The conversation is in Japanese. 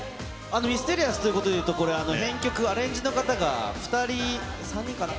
ミステリアスということで言うと、編曲、アレンジの方が２人、３人かな？